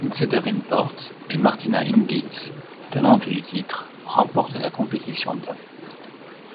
Lindsay Davenport et Martina Hingis, tenantes du titre, remportent la compétition dames.